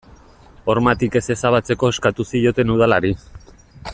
Hormatik ez ezabatzeko eskatu zioten udalari.